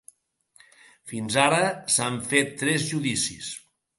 Fins ara, s’han fet tres judicis.